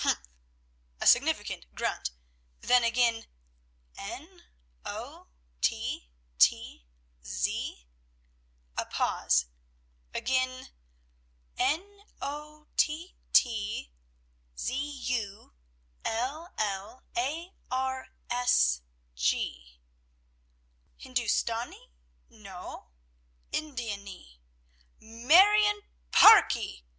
A significant grunt; then again, "N O T T Z;" a pause. Again, "N O T T Z U L L A R S G." "Hindoostanee? No; Indianee: Marione Parkee!"